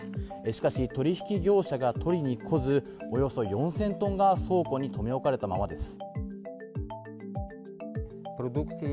しかし、取引業者が取りに来ずおよそ４０００トンが倉庫に留め置かれたままです。